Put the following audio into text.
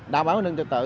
đạo báo an ninh trật tự